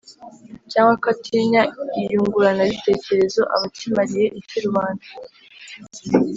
cyangwa ko atinya iyunguranabitekerezo, aba akimariye iki rubanda?